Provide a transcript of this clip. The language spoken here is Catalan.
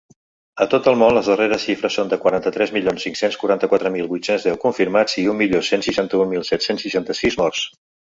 A tot el món, les darreres xifres són de quaranta-tres milions cinc-cents quaranta-quatre mil vuit-cents deu confirmats i un milió cent seixanta-un mil set-cents seixanta-sis morts.